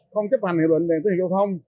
phát hành hiệu luyện về tiến hành giao thông